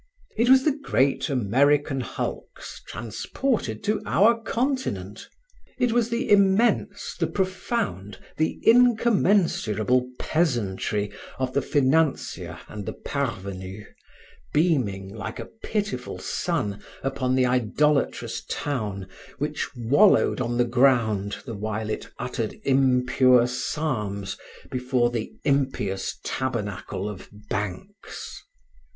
It was the great American hulks transported to our continent. It was the immense, the profound, the incommensurable peasantry of the financier and the parvenu, beaming, like a pitiful sun, upon the idolatrous town which wallowed on the ground the while it uttered impure psalms before the impious tabernacle of banks.